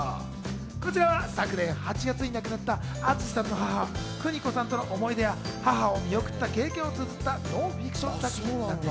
こちらは昨年８月に亡くなった淳さんの母・久仁子さんとの思い出や、母を見送った経験をつづったノンフィクション作品。